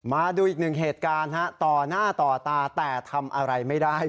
มาดูอีกหนึ่งเหตุการณ์ฮะต่อหน้าต่อตาแต่ทำอะไรไม่ได้